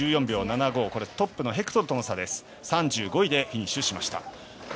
１４秒７５はトップのヘクトルとの差ですが３５位でフィニッシュしました。